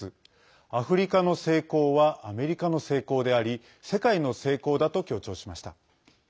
アフリカの成功はアメリカの成功であり世界の成功だと強調しました。